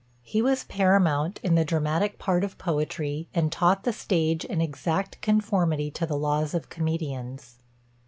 "He was paramount in the dramatic part of poetry, and taught the stage an exact conformity to the laws of comedians.